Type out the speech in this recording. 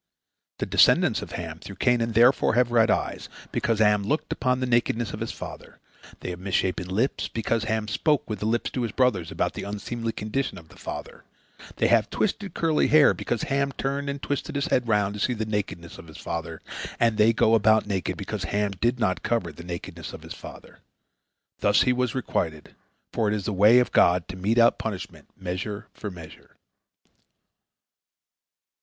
The descendants of Ham through Canaan therefore have red eyes, because Ham looked upon the nakedness of his father; they have misshapen lips, because Ham spoke with his lips to his brothers about the unseemly condition of his father; they have twisted curly hair, because Ham turned and twisted his head round to see the nakedness of his father; and they go about naked, because Ham did not cover the nakedness of his father. Thus he was requited, for it is the way of God to mete out punishment measure for measure.